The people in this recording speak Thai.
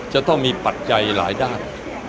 จะต้องมีปัจจัยหลายด้าน